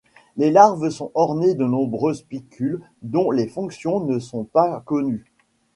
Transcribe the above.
Les larves sont ornées de nombreux spicules dont les fonctions ne sont pas connues.